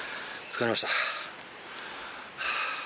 疲れました。